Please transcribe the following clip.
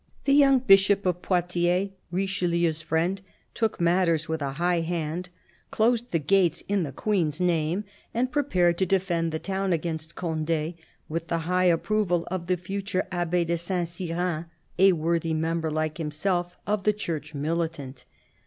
The young Bishop of Poitiers, Richelieu's friend, took matters with a high hand, closed the gates in the Queen's name, and prepared to defend the town against Conde, with the high approval of the future Abbe de St. Cyran, a worthy member, like himself, of the Church Militant.